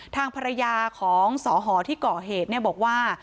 ทางภรรยาของสอหอที่ก่อเหตุบอกว่า